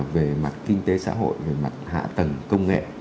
về mặt kinh tế xã hội về mặt hạ tầng công nghệ